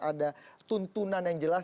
ada tuntunan yang jelas